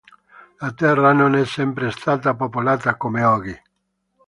La Terra non è sempre stata popolata come oggi.